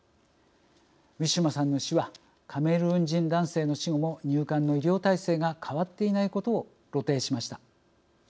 ウィシュマさんの死はカメルーン人男性の死後も入管の医療体制が変わっていないことを露呈しました。